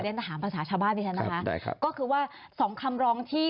เด้นถามภาษาชาวบ้านดิฉันนะคะก็คือว่า๒คำรองที่